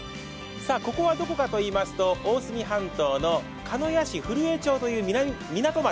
ここはどこかといいますと、大隅半島の鹿屋市古江町という港町。